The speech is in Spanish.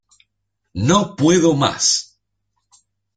¡ No puedo más!